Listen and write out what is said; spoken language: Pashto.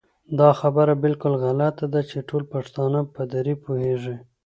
دا خبره بالکل غلطه ده چې ټول پښتانه په دري پوهېږي